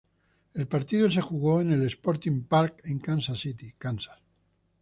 El partido se jugó en el Sporting Park en Kansas City, Kansas.